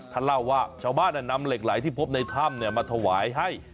เล่าว่าชาวบ้านนำเหล็กไหลที่พบในถ้ำมาถวายให้